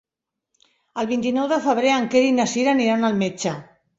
El vint-i-nou de febrer en Quer i na Cira aniran al metge.